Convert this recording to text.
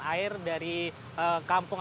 air dari kampung